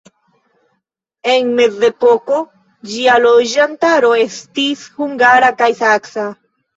En mezepoko ĝia loĝantaro estis hungara kaj saksa.